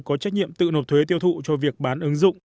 có trách nhiệm tự nộp thuế tiêu thụ cho việc bán ứng dụng